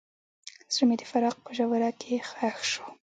زړه مې د فراق په ژوره کې ښخ شو.